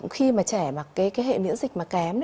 khi mà trẻ mà cái hệ miễn dịch mà kém